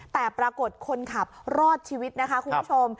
แต่ปรากฏคนขับรอดชีวิตนะคะคุณผู้ชม